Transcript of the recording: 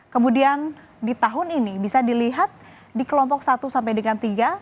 kemudian di tahun ini bisa dilihat di kelompok satu sampai dengan tiga